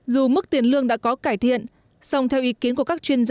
dù mức tiền lương đã có cải thiện song theo ý kiến của các chuyên gia